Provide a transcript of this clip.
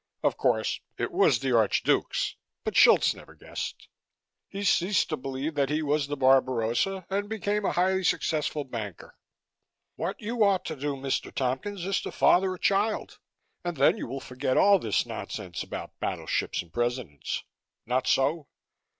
Of course, it was the Archduke's but Schultz never guessed. He ceased to believe that he was the Barbarossa and became a highly successful baker. What you ought to do, Mr. Tompkins, is to father a child and then you will forget all this nonsense about battleships and Presidents. Not so?"